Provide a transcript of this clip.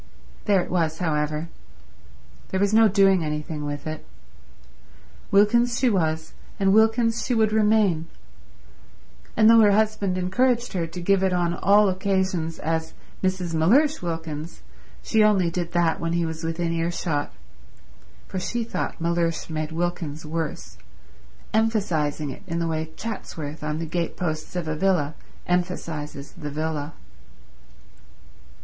There it was, however. There was no doing anything with it. Wilkins she was and Wilkins she would remain; and though her husband encouraged her to give it on all occasions as Mrs. Mellersh Wilkins she only did that when he was within earshot, for she thought Mellersh made Wilkins worse, emphasizing it in the way Chatsworth on the gate posts of a villa emphasizes the villa.